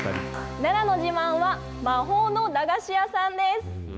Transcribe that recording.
奈良の自慢は魔法の駄菓子屋さんです。